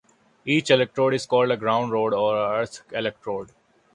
Each electrode is called a ground rod or a earth electrode.